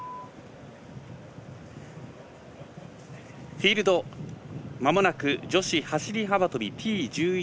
フィールドまもなく女子走り幅跳びＴ１１